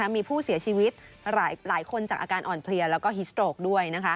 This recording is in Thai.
มีผู้เสียชีวิตหลายคนจากอาการอ่อนเพลียแล้วก็ฮิสโตรกด้วย